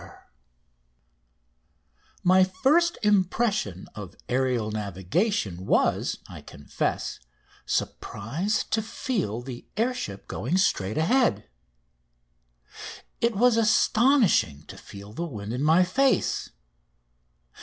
FREE DIAGONAL MOVEMENT DOWN] My first impression of aerial navigation was, I confess, surprise to feel the air ship going straight ahead. It was astonishing to feel the wind in my face.